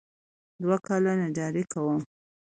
دوه کاله نجاري کوم.